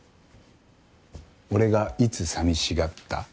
俺がいつ寂しがった？